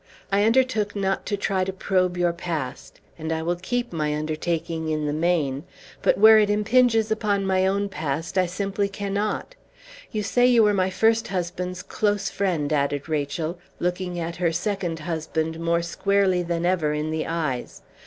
I undertook not to try to probe your past, and I will keep my undertaking in the main; but where it impinges upon my own past I simply cannot! You say you were my first husband's close friend," added Rachel, looking her second husband more squarely than ever in the eyes.